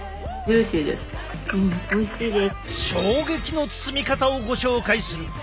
衝撃の包み方をご紹介する。